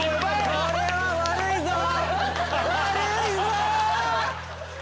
これは悪いわ！